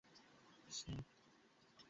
Bike ঠেল, চল পালাই।